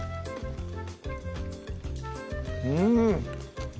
うん！